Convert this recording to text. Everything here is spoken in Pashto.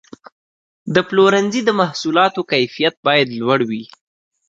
د پلورنځي د محصولاتو کیفیت باید لوړ وي.